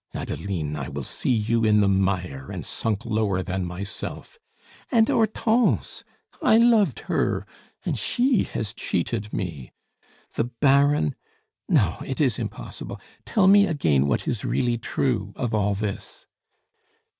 Adeline! I will see you in the mire, and sunk lower than myself! And Hortense I loved her, and she has cheated me. The Baron. No, it is impossible. Tell me again what is really true of all this."